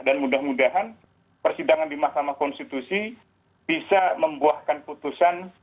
mudah mudahan persidangan di mahkamah konstitusi bisa membuahkan putusan